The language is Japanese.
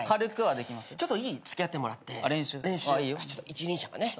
一輪車をね